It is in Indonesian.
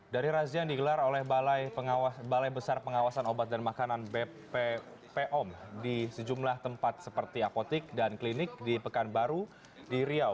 dari razia yang digelar oleh balai besar pengawasan obat dan makanan bppm di sejumlah tempat seperti apotik dan klinik di pekanbaru di riau